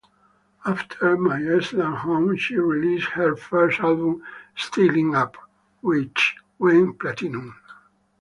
After "My Island Home", she released her first album, "Stylin' Up" which went platinum.